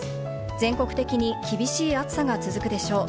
全国的に厳しい暑さが続くでしょう。